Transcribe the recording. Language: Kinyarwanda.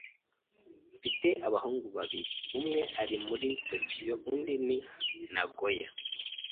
Mfite abahungu babiri. Umwe ari muri Tokiyo undi ni Nagoya.